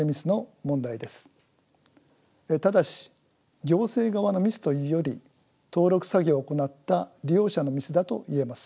ただし行政側のミスというより登録作業を行った利用者のミスだと言えます。